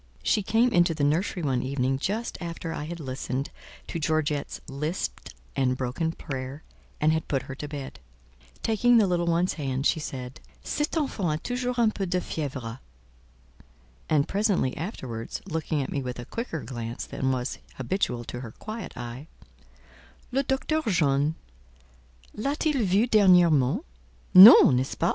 She came into the nursery one evening just after I had listened to Georgette's lisped and broken prayer, and had put her to bed. Taking the little one's hand, she said, "Cette enfant a toujours un peu de fièvre." And presently afterwards, looking at me with a quicker glance than was habitual to her quiet eye, "Le Docteur John l'a t il vue dernièrement? Non, n'est ce pas?"